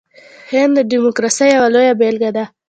هند د ډیموکراسۍ یوه لویه بیلګه ده.